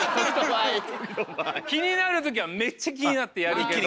気になる時はめっちゃ気になってやるけど。